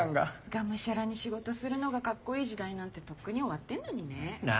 がむしゃらに仕事するのがカッコいい時代なんてとっくに終わってんのにね。なぁ。